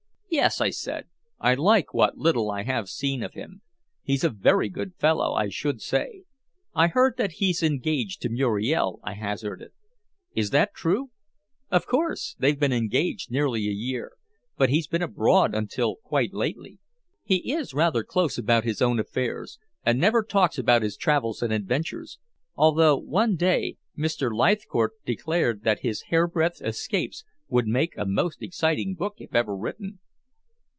"Yes," I said, "I like what little I have seen of him. He's a very good fellow, I should say. I've heard that he's engaged to Muriel," I hazarded. "Is that true?" "Of course. They've been engaged nearly a year, but he's been abroad until quite lately. He is rather close about his own affairs, and never talks about his travels and adventures, although one day Mr. Leithcourt declared that his hairbreadth escapes would make a most exciting book if ever written."